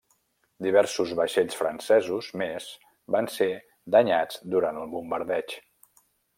Diversos vaixells francesos més van ser danyats durant el bombardeig.